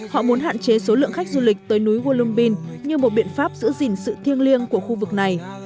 họ muốn hạn chế số lượng khách du lịch tới núi olymbin như một biện pháp giữ gìn sự thiêng liêng của khu vực này